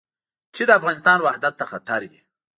چې د افغانستان وحدت ته خطر وي.